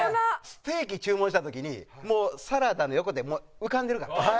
ステーキ注文した時にもうサラダの横って浮かんでるから。